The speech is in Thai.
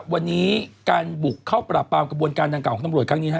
วันนี้การบุกเข้าปราบปรามกระบวนการดังกล่าของตำรวจครั้งนี้